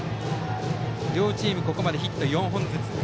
両チームここまでヒット４本ずつ。